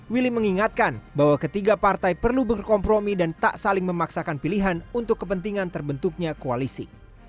willy mengingatkan bahwa ketiga partai perlu berkompromi dan tak saling memaksakan pilihan untuk kepentingan terbentuknya koalisi